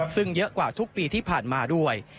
ซึ่งเยอะกว่าทุกปีที่ผ่านมาด้วย